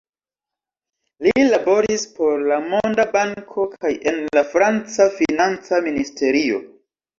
Li laboris por la Monda Banko kaj en la franca financa ministerio.